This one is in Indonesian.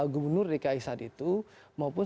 gubernur dki saat itu maupun